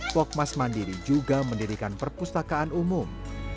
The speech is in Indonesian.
pokmas mandiri juga mendirikan perpustakaan umum